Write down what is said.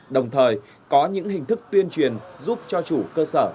đồng thời có những hình thức tuyên truyền giúp cho chủ cơ sở